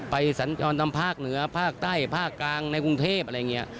สัญจรทางภาคเหนือภาคใต้ภาคกลางในกรุงเทพอะไรอย่างนี้